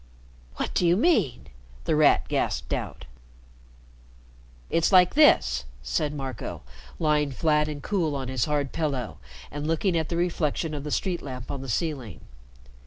"What do you mean?" The Rat gasped out. "It's like this," said Marco, lying flat and cool on his hard pillow and looking at the reflection of the street lamp on the ceiling.